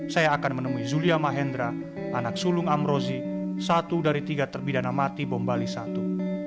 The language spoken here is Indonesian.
saya akan menemui zulia mahendra anak sulung am rosi satu dari tiga terbidana mati bom bali satu